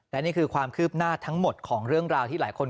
และนี่คือความคืบหน้าทั้งหมดของเรื่องราวที่หลายคน